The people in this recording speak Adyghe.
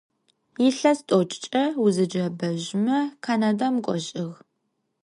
Yilhes t'oç'ç'e vuzeç'e'ebejme Kanadem k'ojığ.